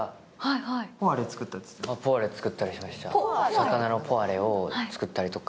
魚のポワレを作ったりとか。